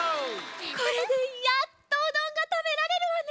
これでやっとうどんがたべられるわね！